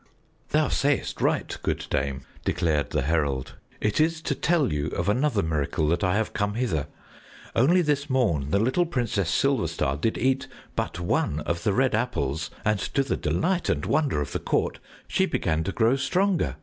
"Thou sayest right, good dame!" declared the herald. "It is to tell you of another miracle that I have come hither. Only this morn the little Princess Silverstar did eat but one of the red apples, and to the delight and wonder of the court, she began to grow stronger.